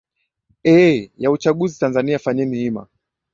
e ya uchaguzi tanzania fanyeni hima